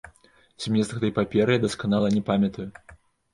Змест гэтай паперы я дасканала не памятаю.